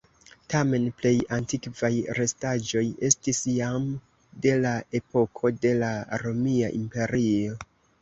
Tamen plej antikvaj restaĵoj estis jam de la epoko de la Romia Imperio.